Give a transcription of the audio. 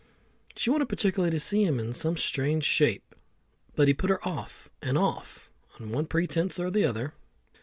She wanted particularly to see him in some strange shape, but he put her off and off on one pretence or other.